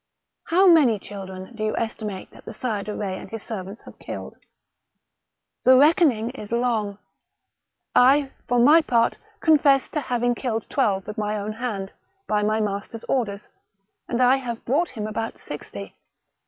"How many children do you estimate that the Sire de Retz and his servants have killed? " 222 THE BOOK OF WERE WOLVES. " The reckoning is long. I, for my part, confess to Laving killed twelve with my own hand, by my master's orders, and I have brought him about sixty.